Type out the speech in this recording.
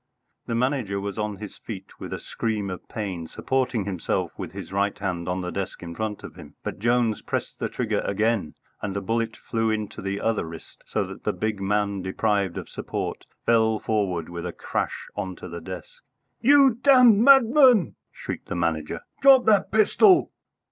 The Manager was on his feet, with a scream of pain, supporting himself with his right hand on the desk in front of him, but Jones pressed the trigger again, and a bullet flew into the other wrist, so that the big man, deprived of support, fell forward with a crash on to the desk. "You damned madman!" shrieked the Manager. "Drop that pistol!"